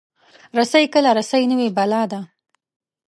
رسۍ کله رسۍ نه وي، بلا ده.